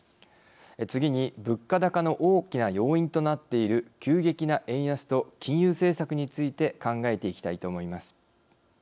次に物価高の大きな要因となっている急激な円安と金融政策について考えていきたいと思います。